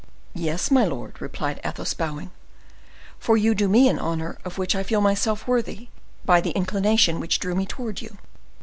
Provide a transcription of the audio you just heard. "Yes, my lord," replied Athos, bowing; "for you do me an honor of which I feel myself worthy, by the inclination which drew me towards you."